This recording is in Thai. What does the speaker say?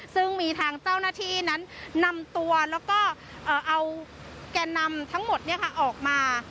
ซึ่งมีทางเจ้าหน้าที่นั้นนำตัวแล้วก็เอาแก่นำทั้งหมดออกมา